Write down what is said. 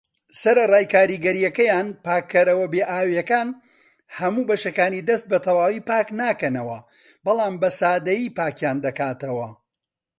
سەرەڕای کاریگەریەکەیان، پاکەرەوە بێ ئاویەکان هەموو بەشەکانی دەست بەتەواوی پاکناکەنەوە بەڵام بەسادەیی پاکیان دەکاتەوە.